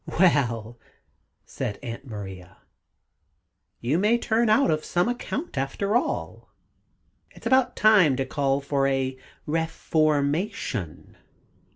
'" "Well," said Aunt Maria, "you may turn out of some account, after all. It's about time to call for a ref or ma tion."